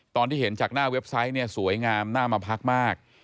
ตอนที่เห็นจากหน้าเว็บไซต์เนี่ยสวยงามน่ามาพักมาก